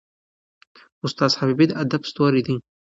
استاد حبیبي د ادب ستوری دی.